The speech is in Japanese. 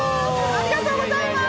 ありがとうございます。